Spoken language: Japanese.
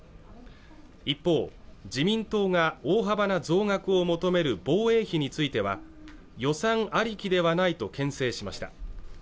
一方自民党が大幅な増額を求める防衛費については予算ありきではないとけん制しました